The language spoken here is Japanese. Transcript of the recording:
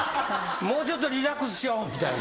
もうちょっとリラックスしよみたいな。